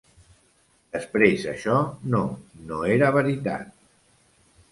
Després això no, no era veritat.